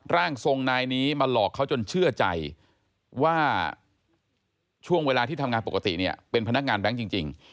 ร่างทรงนายนี้มาหลอกเขาจนเชื่อใจว่าช่วงเวลาที่ทำงานปกติเนี่ยเป็นพนักงานแบงค์จริง